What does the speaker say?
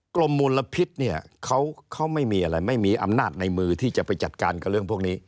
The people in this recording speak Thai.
มลพิษเนี่ยเขาไม่มีอะไรไม่มีอำนาจในมือที่จะไปจัดการกับเรื่องพวกนี้